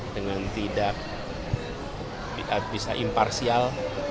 dengan tidak bisa imparsial